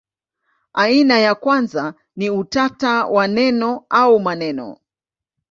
Aina ya kwanza ni utata wa neno au maneno.